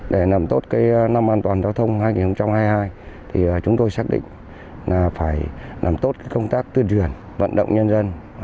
để nằm tốt năm an toàn giao thông hai nghìn hai mươi hai chúng tôi xác định là phải nằm tốt công tác tuyên truyền vận động nhân dân